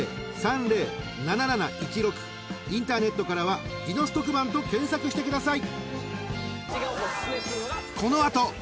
［インターネットからは『ディノス特番』と検索してください］